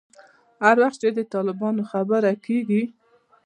هر وخت چې د طالبانو خبره کېږي.